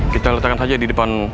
kita letakkan saja di depan